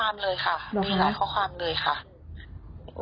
มีหลายข้อความเลยค่ะ